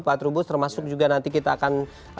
pak trubus termasuk juga nanti kita akan